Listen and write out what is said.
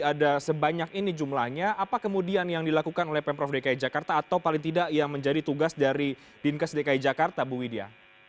ada sebanyak ini jumlahnya apa kemudian yang dilakukan oleh pemprov dki jakarta atau paling tidak yang menjadi tugas dari dinkes dki jakarta bu widya